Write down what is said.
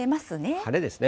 晴れですね。